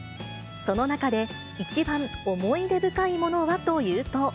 その中で一番思い出深いものはというと。